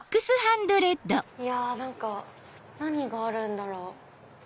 いや何か何があるんだろう？